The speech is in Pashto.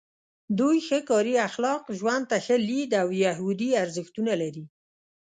دوی ښه کاري اخلاق، ژوند ته ښه لید او یهودي ارزښتونه لري.